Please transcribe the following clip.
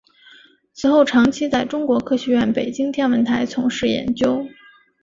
此后长期在中国科学院北京天文台从事研究。